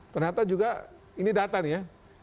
ternyata juga ini data nih ya